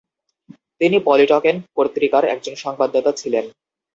তিনি পলিটকেন পত্রিকার একজন সংবাদদাতা ছিলেন।